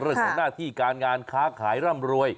เรื่องของหน้าที่การงานค้าขายร่ำรวย